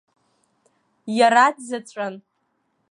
Иара дзаҵәын.